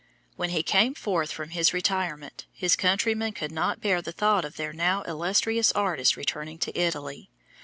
When he came forth from his retirement, his countrymen could not bear the thought of their now illustrous artist returning to Italy.